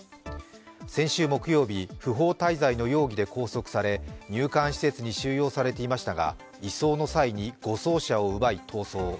先週木曜日、不法滞在の容疑で拘束され入管施設に収容されていましたが、移送の際に護送車を奪い逃走。